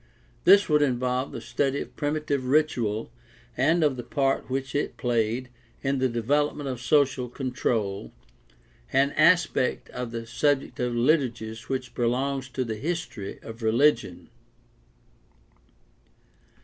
This would involve the study PRACTICAL THEOLOGY 615 of primitive ritual and of the part which it played in the devel opment of social control, an aspect of the subject of liturgies which belongs to the history of religion.